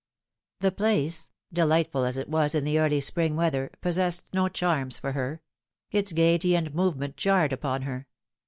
The place, delightful as it was in the early spring weather, possessed no charms for her. Its gaiety and movement jarred upon her.